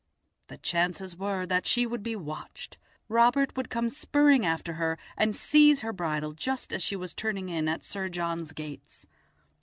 The chances were that she would be watched. Robert would come spurring after her and seize her bridle just as she was turning in at Sir John's gates.